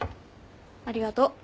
ありがとう。